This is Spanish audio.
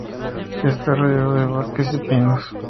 Está rodeado de bosques de pinos.